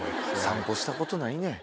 散歩したことないねん。